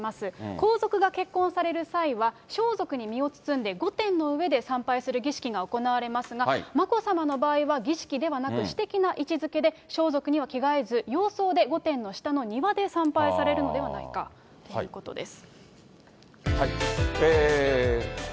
皇族が結婚される際は、装束に身を包んで、御殿の上で参拝される儀式が行われますが、眞子さまの場合は儀式ではなく、私的な位置づけで、装束には着替えず、洋装で御殿の下の庭で参拝されるのではないかということです。